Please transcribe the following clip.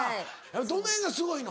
どのへんがすごいの？